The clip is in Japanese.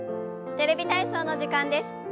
「テレビ体操」の時間です。